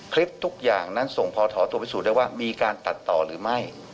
คลิปทุกอย่างนั้นส่งพอถอตัวพิสูจนได้ว่ามีการตัดต่อหรือไม่